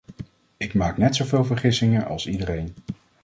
Ik maak net zoveel vergissingen als iedereen.